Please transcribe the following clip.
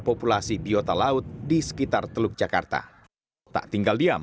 semua yang kita rumuskan